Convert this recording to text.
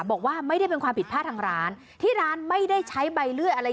บอกว่าไม่ได้เป็นความผิดพลาดทางร้านที่ร้านไม่ได้ใช้ใบเลื่อยอะไร